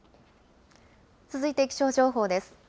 続いて気象情報です。